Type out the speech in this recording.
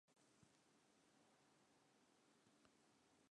Op ien skonk kinne jo net stean.